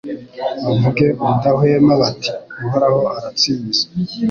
bavuge ubudahwema bati Uhoraho aratsinze